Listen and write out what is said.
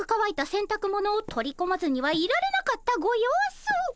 せんたくものを取り込まずにはいられなかったご様子。